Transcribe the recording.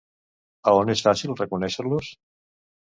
A on és fàcil reconèixer-los?